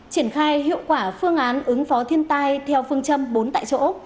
triển khai hiệu quả phương án ứng phó thiên tai theo phương châm bốn tại chỗ